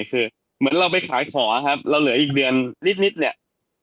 คือเหมือนเราไปขายขอครับเราเหลืออีกเดือนนิดเนี่ย